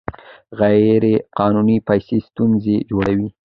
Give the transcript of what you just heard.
غیر قانوني پیسې ستونزې جوړوي.